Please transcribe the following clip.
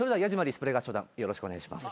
スプレー合唱団よろしくお願いします。